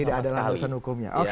tidak adalah halusan hukum